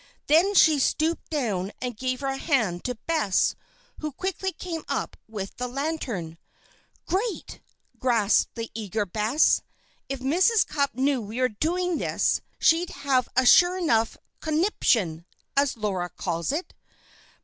Then she stooped down and gave her hand to Bess, who quickly came up with the lantern. "Great!" gasped the eager Bess. "If Mrs. Cupp knew we were doing this, she'd have a sure enough 'conniption,' as Laura calls it."